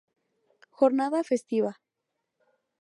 Jornada festiva.